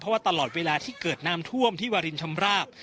ว่าตลอดเวลาที่เกิดน้ำท่วมที่วารินชำราบ